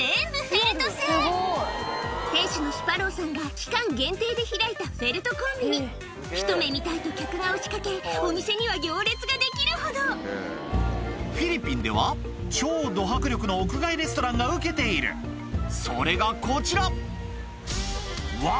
フェルト製店主のスパローさんが期間限定で開いたフェルトコンビニひと目見たいと客が押しかけお店には行列ができるほどフィリピンでは超ど迫力の屋外レストランがウケているそれがこちらうわ